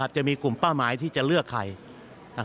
จะมีกลุ่มเป้าหมายที่จะเลือกใคร